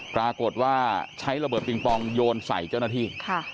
ปรากฏว่าใช้ระเบิดปิงปองโยนใส่เจ้าหน้าที่